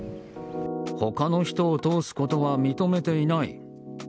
他の人を通すことは認めていない。